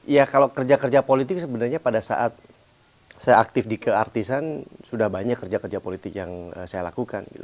ya kalau kerja kerja politik sebenarnya pada saat saya aktif di keartisan sudah banyak kerja kerja politik yang saya lakukan